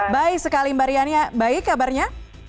baik sekali mbak riania baik kabarnya